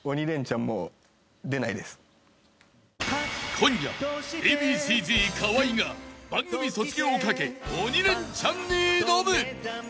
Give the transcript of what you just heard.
［今夜Ａ．Ｂ．Ｃ−Ｚ河合が番組卒業を懸け『鬼レンチャン』に挑む］